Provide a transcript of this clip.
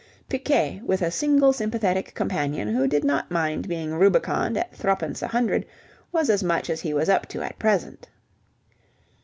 Piquet with a single sympathetic companion who did not mind being rubiconned at threepence a hundred was as much as he was up to at present.